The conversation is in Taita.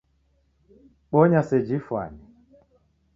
Bonya seji Iw'ifwane